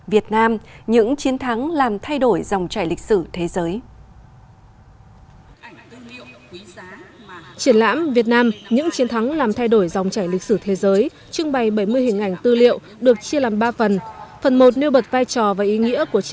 việt nam những chiến thắng làm thay đổi dòng trải lịch sử thế giới